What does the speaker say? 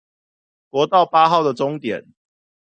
國道八號的終點